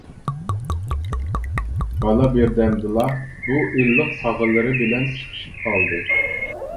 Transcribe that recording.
بالا بىردەمدىلا بۇ ئىللىق تاغىلىرى بىلەن چىقىشىپ قالدى.